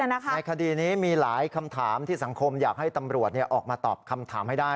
ในคดีนี้มีหลายคำถามที่สังคมอยากให้ตำรวจออกมาตอบคำถามให้ได้